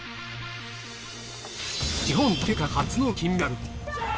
日本卓球界初の金メダル。